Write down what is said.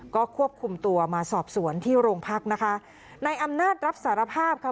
ก็ควบคุมตัวมาสอบสวนที่โรงพักนะคะในอำนาจรับสารภาพค่ะ